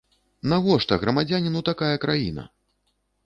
Навошта грамадзяніну такая краіна?!